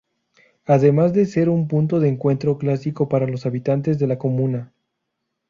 Además de ser un punto de encuentro clásico para los habitantes de la comuna.